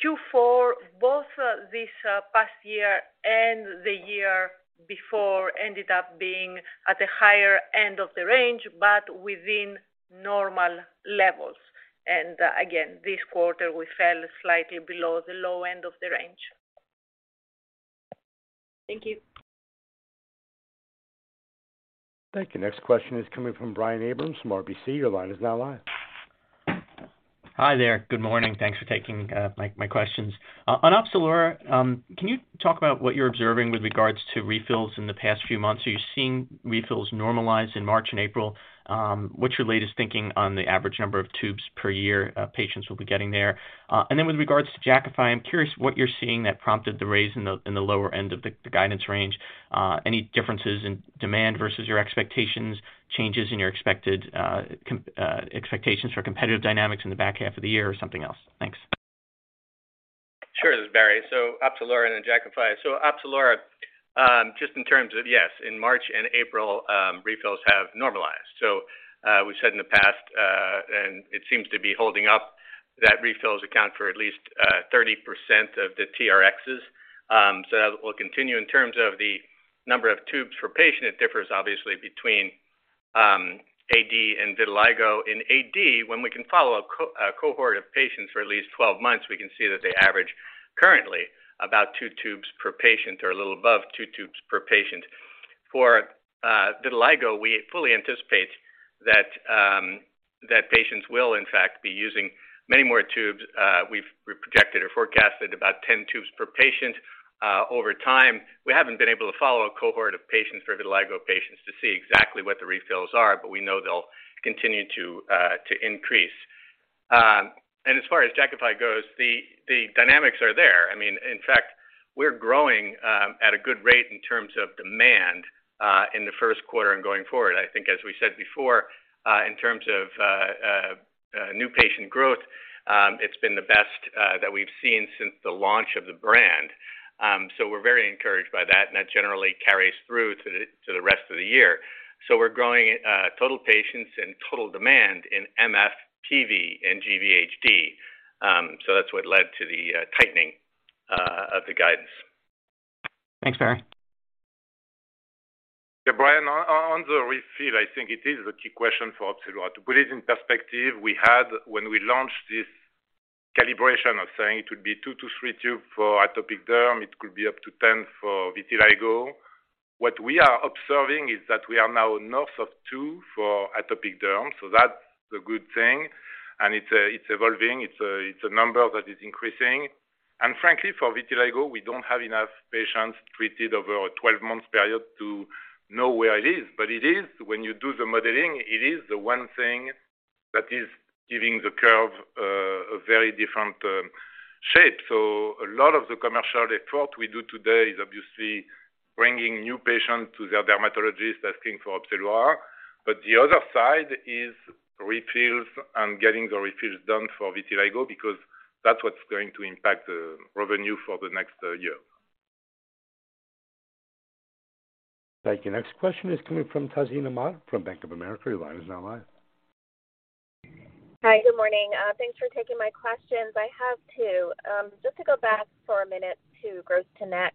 Q4, both this past year and the year before ended up being at the higher end of the range, but within normal levels. Again, this quarter, we fell slightly below the low end of the range. Thank you. Thank you. Next question is coming from Brian Abrahams from RBC. Your line is now live. Hi there. Good morning. Thanks for taking my questions. On Opzelura, can you talk about what you're observing with regards to refills in the past few months? Are you seeing refills normalize in March and April? What's your latest thinking on the average number of tubes per year patients will be getting there? With regards to Jakafi, I'm curious what you're seeing that prompted the raise in the lower end of the guidance range. Any differences in demand versus your expectations, changes in your expected expectations for competitive dynamics in the back half of the year or something else? Thanks. Sure. This is Barry. Opzelura and then Jakafi. Opzelura, just in terms of, yes, in March and April, refills have normalized. We said in the past, and it seems to be holding up that refills account for at least 30% of the TRXs. That will continue. In terms of the number of tubes per patient, it differs obviously between AD and vitiligo. In AD, when we can follow a cohort of patients for at least 12 months, we can see that they average currently about two tubes per patient or a little above two tubes per patient. For vitiligo, we fully anticipate that patients will, in fact, be using many more tubes. We've projected or forecasted about 10 tubes per patient over time. We haven't been able to follow a cohort of patients for vitiligo patients to see exactly what the refills are, but we know they'll continue to increase. As far as Jakafi goes, the dynamics are there. I mean, in fact, we're growing at a good rate in terms of demand in the Q1 and going forward. I think as we said before, in terms of new patient growth, it's been the best that we've seen since the launch of the brand. We're very encouraged by that, and that generally carries through to the rest of the year. We're growing total patients and total demand in MF, PV, and GVHD. That's what led to the tightening of the guidance. Thanks, Barry. Yeah, Brian, on the refill, I think it is the key question for Opzelura. To put it in perspective, we had when we launched this calibration of saying it would be two to three tube for atopic derm, it could be up to 10 for vitiligo. What we are observing is that we are now north of two for atopic derm, so that's a good thing. It's evolving. It's a number that is increasing. Frankly, for vitiligo, we don't have enough patients treated over a 12-month period to know where it is. It is when you do the modeling, it is the one thing that is giving the curve a very different shape. A lot of the commercial effort we do today is obviously bringing new patients to their dermatologist, asking for Opzelura. The other side is refills and getting the refills done for vitiligo because that's what's going to impact the revenue for the next year. Thank you. Next question is coming from Tazeen Ahmad from Bank of America. Your line is now live. Hi, good morning. Thanks for taking my questions. I have 2. Just to go back for a minute to gross-to-net.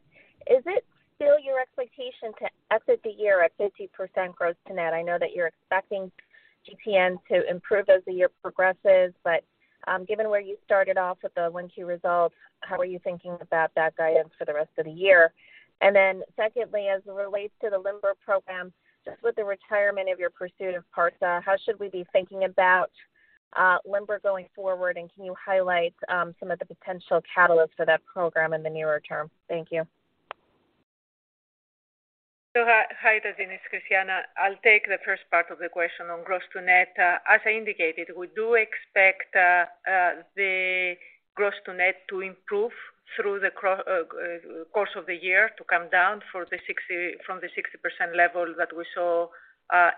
Is it still your expectation to exit the year at 50% gross-to-net? I know that you're expecting GTN to improve as the year progresses, but given where you started off with the Q1 results, how are you thinking about that guidance for the rest of the year? Secondly, as it relates to the LIMBER program, just with the retirement of your pursuit of parsaclisib, how should we be thinking about LIMBER going forward? Can you highlight some of the potential catalysts for that program in the nearer term? Thank you. Hi, Tazeen. It's Christiana. I'll take the first part of the question on gross to net. As I indicated, we do expect the gross to net to improve through the course of the year to come down from the 60% level that we saw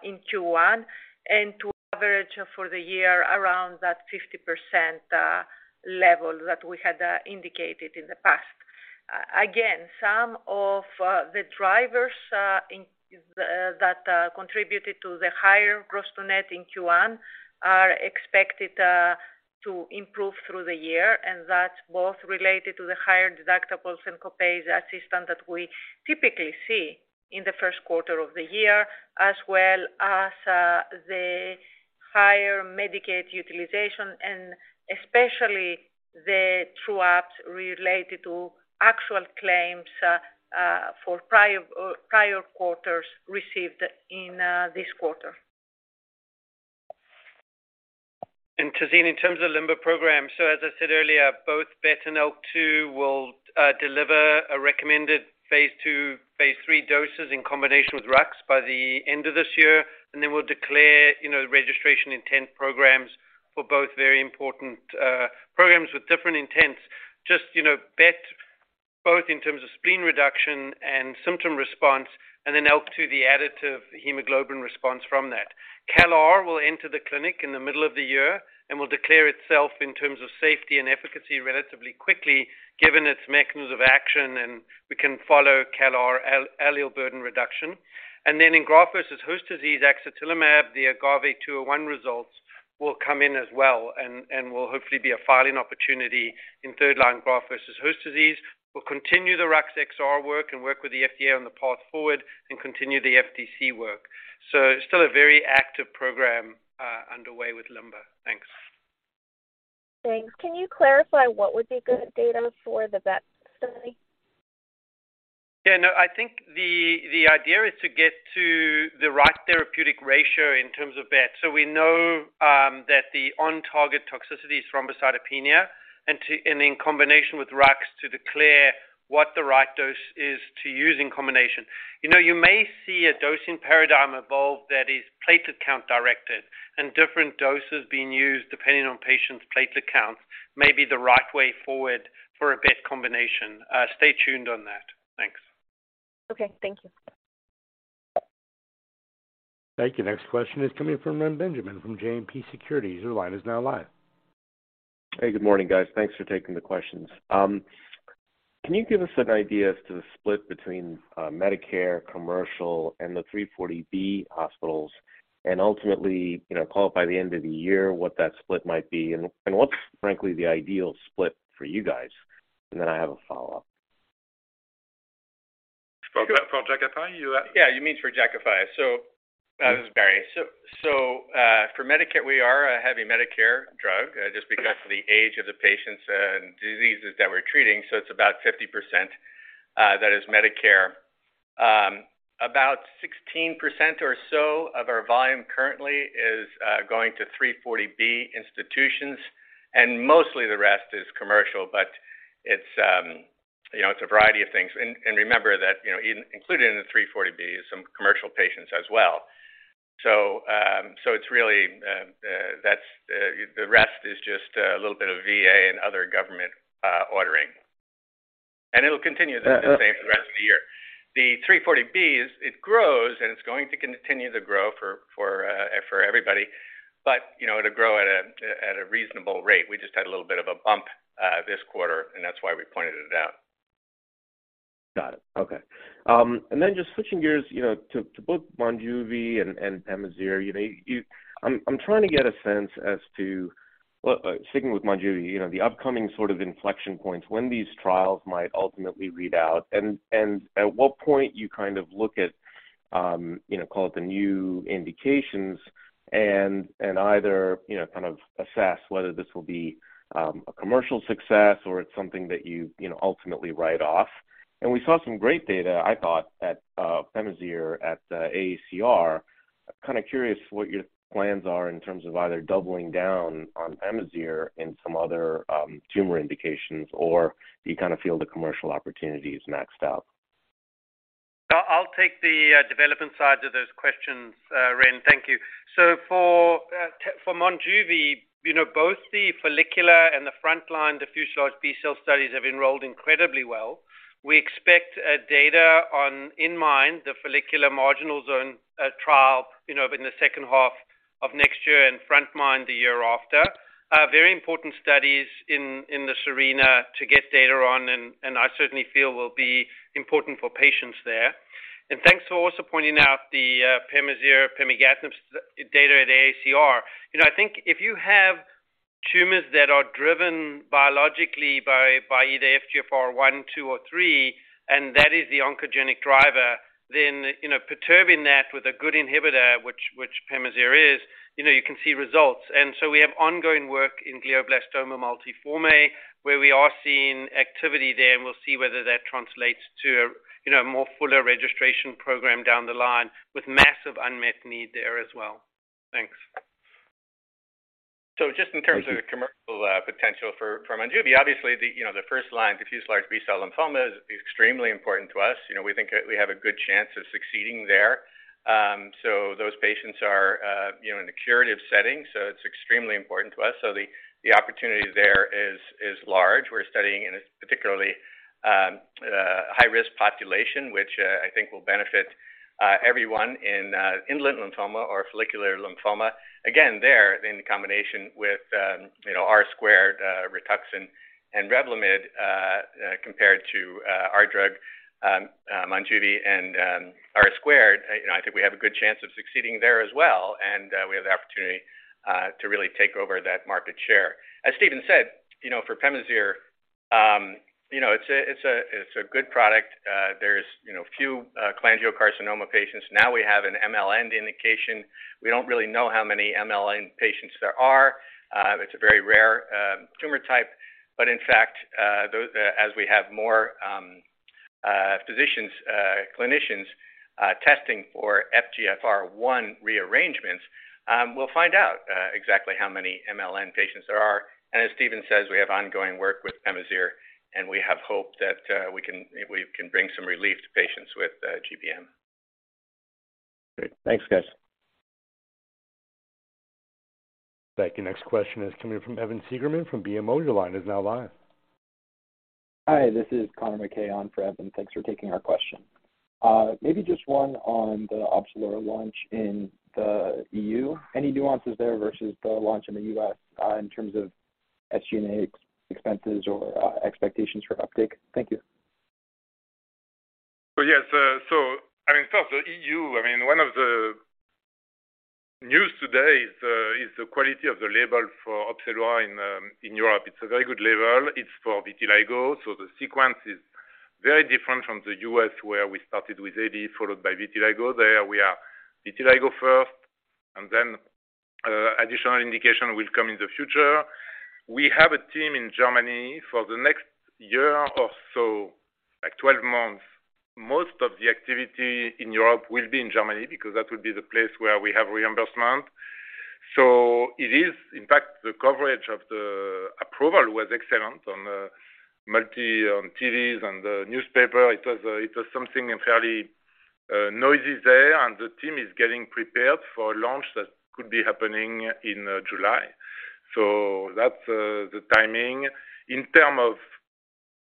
in Q1 and to average for the year around that 50% level that we had indicated in the past. Again, some of the drivers in that contributed to the higher gross to net in Q1 are expected to improve through the year. That's both related to the higher deductibles and copays that system that we typically see in the Q1 of the year, as well as, the higher Medicaid utilization and especially the true ups related to actual claims, for prior quarters received in, this quarter. Tazeen, in terms of LIMBER program, as I said earlier, both BET and ALK2 will deliver a recommended phase II, phase III doses in combination with RUX by the end of this year. Then we'll declare, you know, registration intent programs for both very important programs with different intents. Just, you know, BET both in terms of spleen reduction and symptom response, and then ALK2, the additive hemoglobin response from that. CALR will enter the clinic in the middle of the year and will declare itself in terms of safety and efficacy relatively quickly, given its mechanism of action. We can follow CALR allelic burden reduction. Then in graft versus host disease axatilimab, the AGAVE-201 results will come in as well and will hopefully be a filing opportunity in third line graft versus host disease. We'll continue the ruxolitinib XR work and work with the FDA on the path forward and continue the FDC work. Still a very active program underway with LIMBER. Thanks. Thanks. Can you clarify what would be good data for the BET study? I think the idea is to get to the right therapeutic ratio in terms of BET. We know that the on target toxicity is thrombocytopenia and in combination with RUX to declare what the right dose is to use in combination. You know, you may see a dosing paradigm evolve that is platelet count directed and different doses being used depending on patients' platelet counts may be the right way forward for a BET combination. Stay tuned on that. Thanks. Okay, thank you. Thank you. Next question is coming from Ren Benjamin from JMP Securities. Your line is now live. Hey, good morning, guys. Thanks for taking the questions. Can you give us an idea as to the split between Medicare, commercial, and the 340B hospitals and ultimately, you know, call it by the end of the year, what that split might be and what's frankly the ideal split for you guys? Then I have a follow-up. For Jakafi, you ask? Yeah, he means for Jakafi. This is Barry. For Medicare, we are a heavy Medicare drug, just because of the age of the patients and diseases that we're treating. It's about 50% that is Medicare. About 16% or so of our volume currently is going to 340B institutions, and mostly the rest is commercial, but it's, you know, it's a variety of things. Remember that, you know, included in the 340B is some commercial patients as well. It's really, that's, the rest is just, a little bit of VA and other government, ordering. It'll continue the same for the rest of the year. The 340B is it grows, and it's going to continue to grow for everybody. You know, it'll grow at a reasonable rate. We just had a little bit of a bump, this quarter, and that's why we pointed it out. Got it. Okay. Just switching gears, you know, to both Monjuvi and Pemazyre, you know, I'm trying to get a sense as to, sticking with Monjuvi, you know, the upcoming sort of inflection points when these trials might ultimately read out and at what point you kind of look at, you know, call it the new indications and either, you know, kind of assess whether this will be a commercial success or it's something that you know, ultimately write off. We saw some great data, I thought, at Pemazyre at ACR. Kind of curious what your plans are in terms of either doubling down on Pemazyre in some other tumor indications, or do you kind of feel the commercial opportunity is maxed out? I'll take the development side to those questions, Ren, thank you. For Monjuvi, you know, both the follicular and the frontline diffuse large B-cell studies have enrolled incredibly well. We expect data on inMIND the follicular marginal zone trial, you know, in the H2 of next year and frontMIND the year after. Very important studies in the SERENA to get data on and I certainly feel will be important for patients there. Thanks for also pointing out the Pemazyre, pemigatinib data at ACR. You know, I think if you have tumors that are driven biologically by either FGFR1, FGFR2, or FGFR3, and that is the oncogenic driver, then, you know, perturbing that with a good inhibitor which Pemazyre is, you know, you can see results. We have ongoing work in glioblastoma multiforme where we are seeing activity there, and we'll see whether that translates to, you know, more fuller registration program down the line with massive unmet need there as well. Thanks. Just in terms of the commercial potential for Monjuvi, obviously the, you know, the first line, diffuse large B-cell lymphoma is extremely important to us. You know, we think we have a good chance of succeeding there. Those patients are, you know, in a curative setting, so it's extremely important to us. The opportunity there is large. We're studying in a particularly high-risk population, which I think will benefit everyone in indolent lymphoma or follicular lymphoma. Again, there in the combination with, you know, R2, Rituxan and Revlimid, compared to our drug, Monjuvi and R2. You know, I think we have a good chance of succeeding there as well, and we have the opportunity to really take over that market share. As Steven said, you know, for Pemazyre, you know, it's a, it's a, it's a good product. There's, you know, few cholangiocarcinoma patients. Now we have an MLN indication. We don't really know how many MLN patients there are. It's a very rare tumor type, but in fact, as we have more physicians, clinicians, testing for FGFR1 rearrangements, we'll find out exactly how many MLN patients there are. As Steven says, we have ongoing work with Pemazyre, and we have hope that we can, we can bring some relief to patients with GBM. Great. Thanks, guys. Thank you. Next question is coming from Evan Seigerman from BMO. Your line is now live. Hi, this is Connor McKay on for Evan. Thanks for taking our question. Maybe just one on the Opzelura launch in the EU. Any nuances there versus the launch in the US, in terms of SG&A ex-expenses or expectations for uptake? Thank you. Yes. I mean, first the EU, I mean, one of the news today is the quality of the label for Opzelura in Europe. It's a very good label. It's for vitiligo, so the sequence is very different from the US where we started with AD followed by vitiligo. There we are vitiligo first, and then additional indication will come in the future. We have a team in Germany for the next year or so, like 12 months. Most of the activity in Europe will be in Germany because that would be the place where we have reimbursement. It is, in fact, the coverage of the approval was excellent on multi TVs and the newspaper. It was something fairly noisy there and the team is getting prepared for launch that could be happening in July. That's the timing. In terms of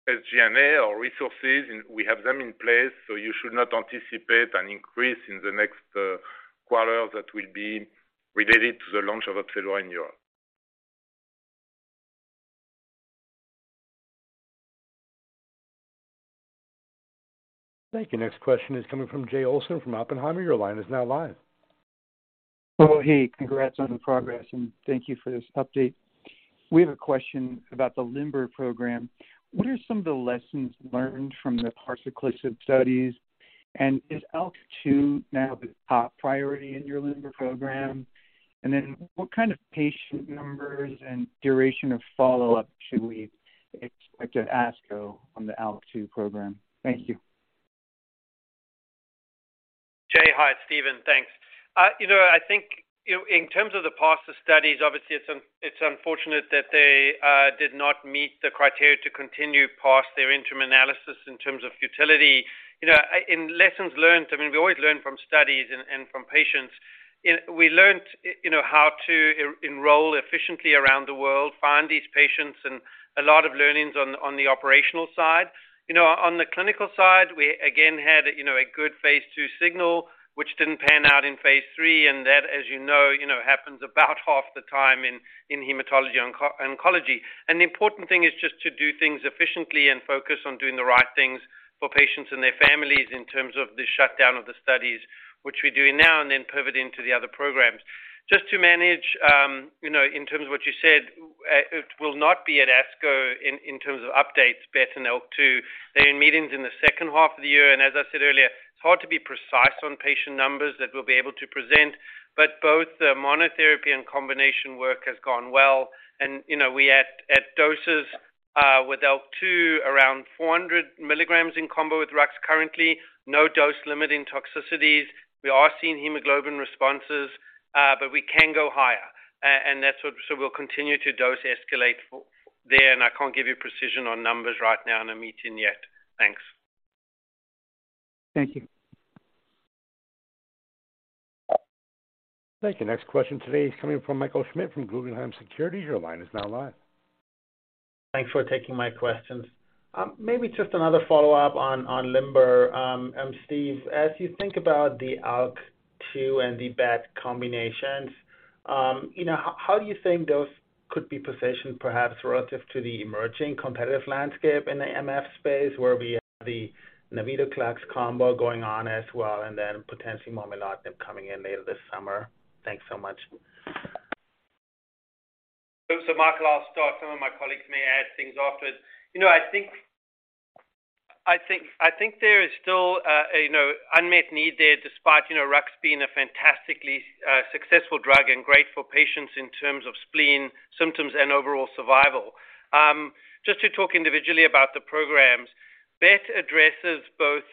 SG&A or resources, and we have them in place, so you should not anticipate an increase in the next quarter that will be related to the launch of Opzelura in Europe. Thank you. Next question is coming from Jay Olson from Oppenheimer. Your line is now live. Oh, hey. Congrats on the progress, and thank you for this update. We have a question about the LIMBER program. What are some of the lessons learned from the parsaclisib studies, and is ALK2 now the top priority in your LIMBER program? What kind of patient numbers and duration of follow-up should we expect at ASCO on the ALK2 program? Thank you. Jay, Hi, it's Steven. Thanks. You know, I think, you know, in terms of the PARSO studies, obviously it's unfortunate that they did not meet the criteria to continue past their interim analysis in terms of futility. You know, in lessons learned, I mean, we always learn from studies and from patients. We learned, you know, how to enroll efficiently around the world, find these patients, and a lot of learnings on the operational side. You know, on the clinical side, we again had a, you know, a good phase II signal which didn't pan out in phase III and that, as you know, you know, happens about half the time in hematology oncology. The important thing is just to do things efficiently and focus on doing the right things for patients and their families in terms of the shutdown of the studies, which we're doing now and then pivot into the other programs. Just to manage, you know, in terms of what you said, it will not be at ASCO in terms of updates, BET and ALK2. They're in meetings in the H2 of the year. As I said earlier, it's hard to be precise on patient numbers that we'll be able to present, but both the monotherapy and combination work has gone well. You know, we at doses with ALK2 around 400 milligrams in combo with Rux currently, no dose-limiting toxicities. We are seeing hemoglobin responses, but we can go higher. And that's what... We'll continue to dose escalate there and I can't give you precision on numbers right now in a meeting yet. Thanks. Thank you. Thank you. Next question today is coming from Michael Schmidt from Guggenheim Securities. Your line is now live. Thanks for taking my questions. maybe just another follow-up on LIMBER. Steve, as you think about the ALK2 and the BET combinations, you know, how do you think those could be positioned perhaps relative to the emerging competitive landscape in the MF space where we have the navitoclax combo going on as well, and then potentially momelotinib coming in later this summer? Thanks so much. Michael, I'll start. Some of my colleagues may add things afterwards. You know, I think there is still a, you know, unmet need there despite, you know, Rux being a fantastically successful drug and great for patients in terms of spleen symptoms and overall survival. Just to talk individually about the programs, BET addresses both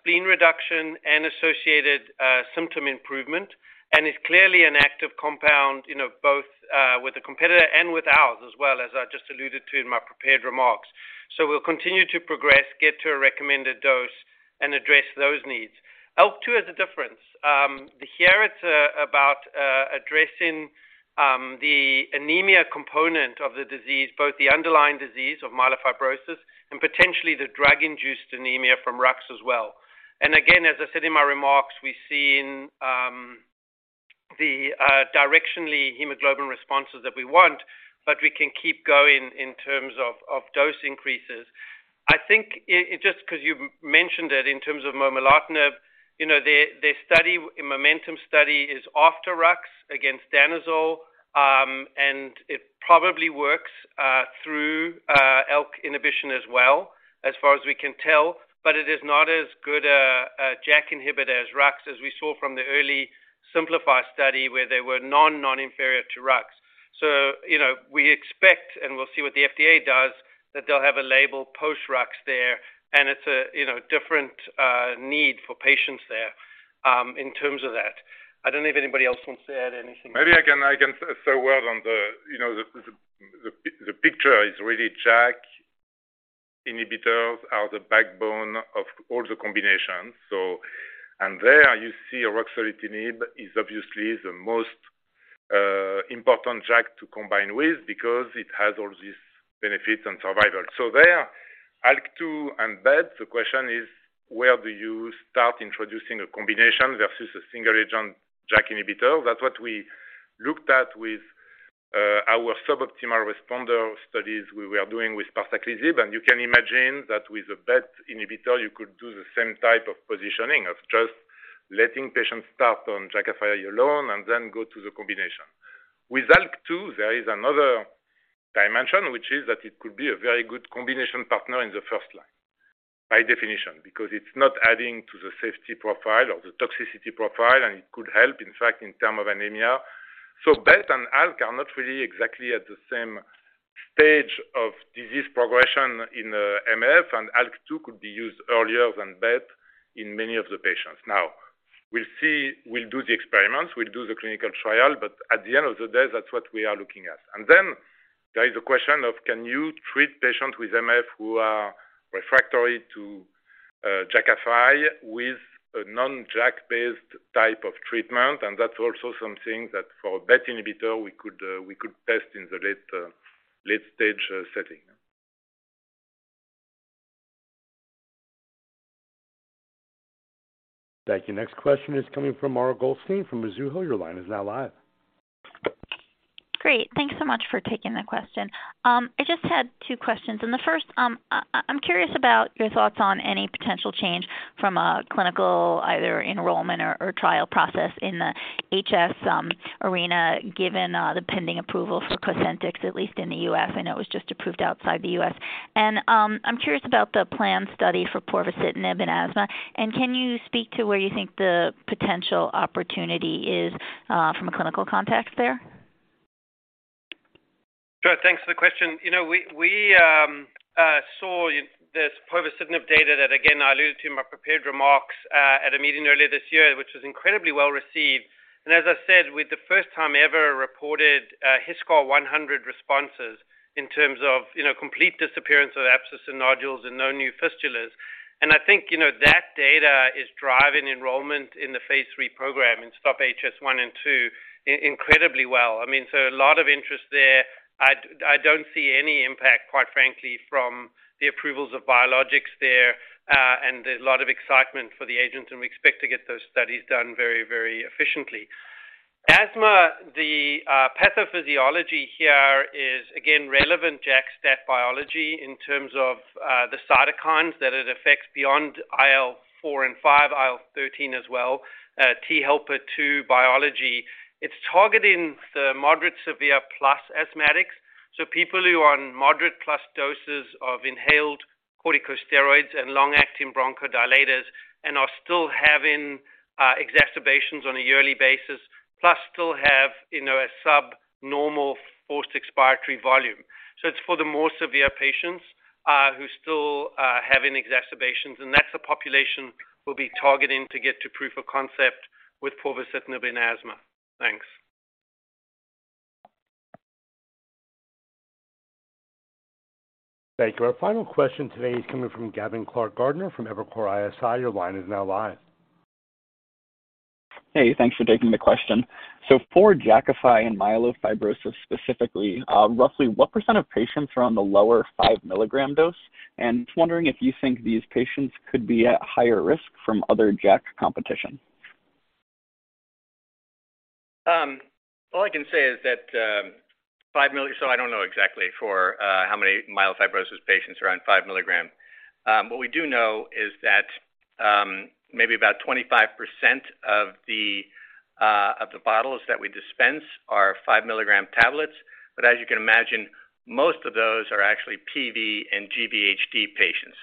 spleen reduction and associated symptom improvement, and is clearly an active compound, you know, both with the competitor and with ours as well, as I just alluded to in my prepared remarks. We'll continue to progress, get to a recommended dose, and address those needs. ALK2 is a difference. Here it's about addressing the anemia component of the disease, both the underlying disease of myelofibrosis and potentially the drug-induced anemia from Rux as well. Again, as I said in my remarks, we're seeing the directionally hemoglobin responses that we want, but we can keep going in terms of dose increases. I think it just 'cause you mentioned it in terms of momelotinib, you know, their MOMENTUM study is after Rux against danazol, and it probably works through ALK inhibition as well, as far as we can tell. It is not as good a JAK inhibitor as Rux, as we saw from the early SIMPLIFY-1 study where they were non-noninferior to Rux. You know, we expect, and we'll see what the FDA does, that they'll have a label post Rux there, and it's a, you know, different need for patients there in terms of that. I don't know if anybody else wants to add anything. Maybe I can say a word on the, you know, the picture is really JAK inhibitors are the backbone of all the combinations. There you see ruxolitinib is obviously the most important JAK to combine with because it has all these benefits and survival. There ALK2 and BET, the question is: where do you start introducing a combination versus a single agent JAK inhibitor? That's what we looked at with our suboptimal responder studies we were doing with parsaclisib. You can imagine that with a BET inhibitor, you could do the same type of positioning of just letting patients start on Jakafi alone and then go to the combination. With ALK2, there is another dimension, which is that it could be a very good combination partner in the first line, by definition, because it's not adding to the safety profile or the toxicity profile, and it could help, in fact, in term of anemia. BET and ALK are not really exactly at the same stage of disease progression in MF, and ALK2 could be used earlier than BET in many of the patients. We'll see. We'll do the experiments. We'll do the clinical trial. At the end of the day, that's what we are looking at. There is a question of can you treat patients with MF who are refractory to Jakafi with a non-JAK-based type of treatment? That's also something that for BET inhibitor we could we could test in the late late-stage setting. Thank you. Next question is coming from Mara Goldstein from Mizuho. Your line is now live. Great. Thanks so much for taking the question. I just had two questions. The first, I'm curious about your thoughts on any potential change from a clinical either enrollment or trial process in the HS arena, given the pending approval for Cosentyx, at least in the US. I know it was just approved outside the US. I'm curious about the planned study for povorcitinib in asthma. Can you speak to where you think the potential opportunity is from a clinical context there? Sure. Thanks for the question. You know, we saw this povorcitinib data that again, I alluded to in my prepared remarks, at a meeting earlier this year, which was incredibly well received. As I said, with the first time ever reported HiSCR100 responses in terms of, you know, complete disappearance of abscess and nodules and no new fistulas. I think, you know, that data is driving enrollment in the phase III program in STOP-HS1 and STOP-HS2 incredibly well. I mean, a lot of interest there. I don't see any impact, quite frankly, from the approvals of biologics there, and a lot of excitement for the agent, and we expect to get those studies done very, very efficiently. Asthma, the pathophysiology here is again relevant JAK-STAT biology in terms of the cytokines that it affects beyond IL-4 and 5, IL-13 as well. Th2 biology. It's targeting the moderate severe plus asthmatics, so people who are on moderate plus doses of inhaled corticosteroids and long-acting bronchodilators and are still having exacerbations on a yearly basis, plus still have, you know, a subnormal forced expiratory volume. It's for the more severe patients who still having exacerbations, and that's the population we'll be targeting to get to proof of concept with povorcitinib in asthma. Thanks. Thank you. Our final question today is coming from Gavin Clark-Gartner from Evercore ISI. Your line is now live. Hey, thanks for taking the question. For Jakafi and myelofibrosis specifically, roughly what % of patients are on the lower five milligram dose? Just wondering if you think these patients could be at higher risk from other JAK competition. I don't know exactly for how many myelofibrosis patients are on five milligram. What we do know is that maybe about 25% of the of the bottles that we dispense are five milligram tablets. As you can imagine, most of those are actually PV and GVHD patients.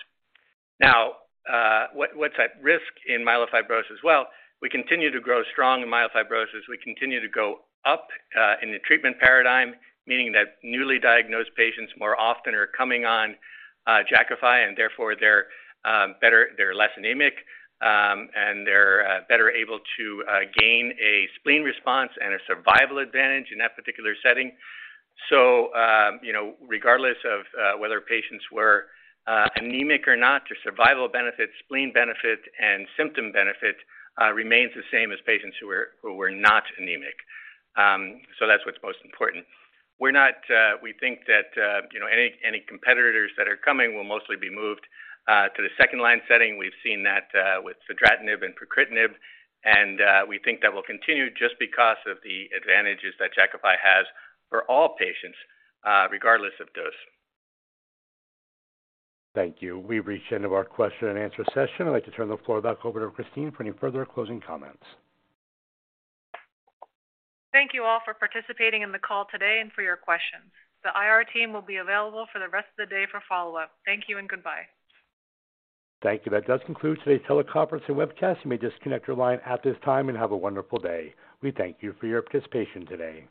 What's at risk in myelofibrosis? We continue to grow strong in myelofibrosis. We continue to go up in the treatment paradigm, meaning that newly diagnosed patients more often are coming on Jakafi, and therefore they're less anemic, and they're better able to gain a spleen response and a survival advantage in that particular setting. you know, regardless of whether patients were anemic or not, their survival benefit, spleen benefit, and symptom benefit remains the same as patients who were not anemic. That's what's most important. We think that, you know, any competitors that are coming will mostly be moved to the second line setting. We've seen that with fedratinib and pacritinib, we think that will continue just because of the advantages that Jakafi has for all patients, regardless of dose. Thank you. We've reached the end of our question and answer session. I'd like to turn the floor without over to Christine for any further closing comments. Thank you all for participating in the call today and for your questions. The IR team will be available for the rest of the day for follow-up. Thank you and goodbye. Thank you. That does conclude today's teleconference and webcast. You may disconnect your line at this time and have a wonderful day. We thank you for your participation today.